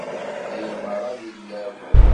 Aya merra d ilaw?